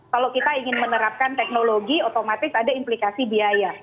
kalau kita ingin menerapkan teknologi otomatis ada implikasi biaya